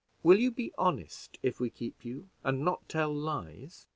"Will you be honest, if we keep you, and not tell lies?"